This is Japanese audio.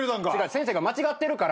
先生が間違ってるから。